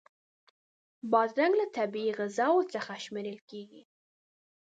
بادرنګ له طبعی غذاوو څخه شمېرل کېږي.